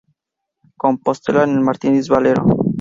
Compostela en el Martínez Valero.